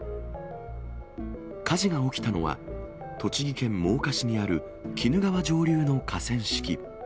火事が起きたのは、栃木県真岡市にある鬼怒川上流の河川敷。